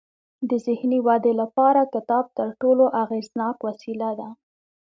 د ذهني ودې لپاره کتاب تر ټولو اغیزناک وسیله ده.